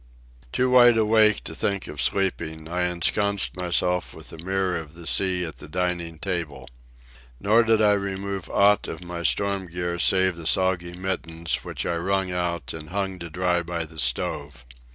Too wide awake to think of sleeping, I ensconced myself with The Mirror of the Sea at the dining table. Nor did I remove aught of my storm gear save the soggy mittens, which I wrung out and hung to dry by the stove.